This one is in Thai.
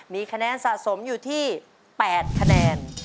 มีคะแนนสะสมอยู่ที่๘คะแนน